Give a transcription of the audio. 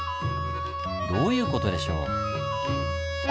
どういう事でしょう？